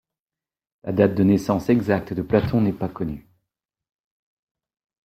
La date de naissance exacte de Platon n'est pas connue.